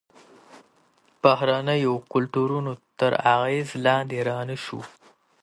د بهرنیو کلتورونو تر اغیز لاندې رانه شو.